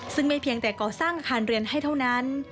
ซึ่งไม่เพียงแต่ก่อสร้างอาคารเรียนให้เท่านั้น